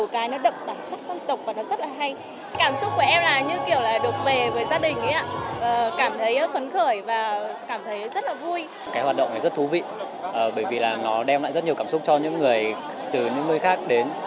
cái hoạt động này rất thú vị bởi vì nó đem lại rất nhiều cảm xúc cho những người từ những nơi khác đến